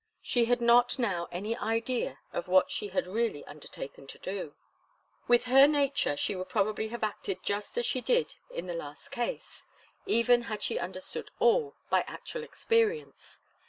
She had not now any idea of what she had really undertaken to do. With her nature she would probably have acted just as she did in the last case, even had she understood all, by actual experience.